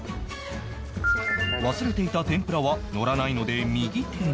忘れていた天ぷらはのらないので右手に